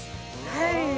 はい。